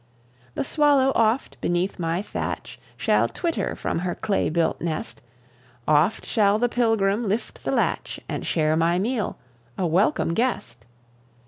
The swallow, oft, beneath my thatch Shall twitter from her clay built nest; Oft shall the pilgrim lift the latch, And share my meal, a welcome guest.